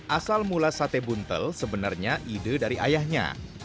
asal mula sate buntel sebenarnya ide dari ayahnya